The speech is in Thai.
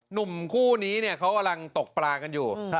หนุ่มคู่นี้เขากำลังตกปลากันอยู่